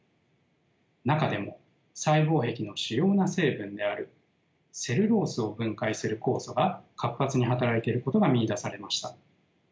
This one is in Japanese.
中でも細胞壁の主要な成分であるセルロースを分解する酵素が活発に働いていることが見いだされました。